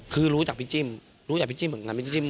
คือรู้จากพี่จิ้มรู้จากพี่จิ้มเหมือนกันพี่จิ้ม